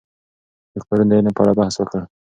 موږ پرون د علم په اړه بحث وکړ.